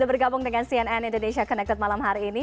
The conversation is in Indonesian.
dengan cnn indonesia connected malam hari ini